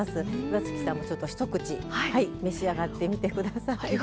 岩槻さんも、一口召し上がってみてください。